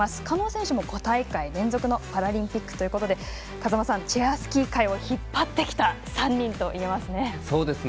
狩野選手も５大会連続パラリンピックということで風間さん、チェアスキー界を引っ張ってきた３人といえますね。